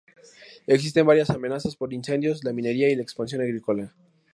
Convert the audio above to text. Existen varias amenazas por incendios, la minería y la expansión agrícola.